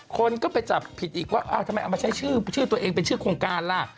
คนก็ไปจับผิดอีกว่าทำไมเอามาใช้ชื่อตัวเองเป็นชื่อโครงการล่ะ